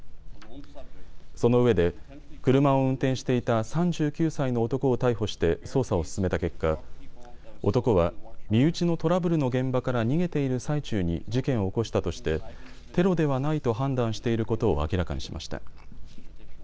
そのうえで車を運転していた３９歳の男を逮捕して捜査を進めた結果、男は身内のトラブルの現場から逃げている最中に事件を起こしたとしてテロではないと判断していることを明らかにしました。